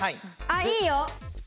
あいいよ！